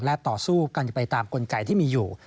และต่อสู้กันไปตามกลไกที่มีอยู่